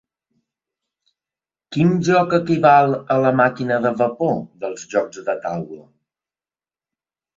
Quin joc equival a la màquina de vapor dels jocs de taula?